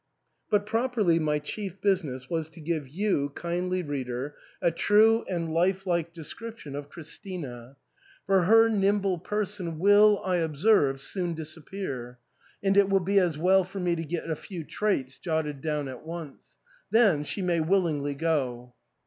But properly my chief business was to give you, ARTHUR'S HALL. 329 kindly reader, a true and life like description of Chris tina ; for her nimble person will, I obsefve, soon dis appear ; and it will be as wdil for me to get a few traits jotted down at once. Then she may willingly go!